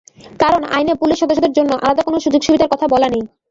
কারণ আইনে পুলিশ সদস্যদের জন্য আলাদা কোন সুযোগ-সুবিধার কথা বলা নেই।